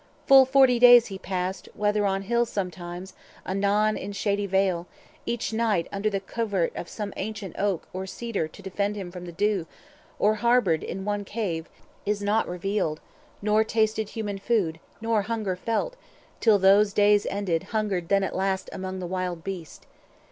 Full forty days he passed—whether on hill Sometimes, anon in shady vale, each night Under the covert of some ancient oak Or cedar to defend him from the dew, Or harboured in one cave, is not revealed; Nor tasted human food, nor hunger felt, Till those days ended; hungered then at last Among wild beasts.